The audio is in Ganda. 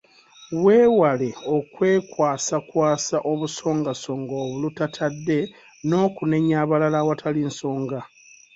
Weewale okwekwasakwasa obusongasonga olutatadde n'okunenya abalala awatali nsonga.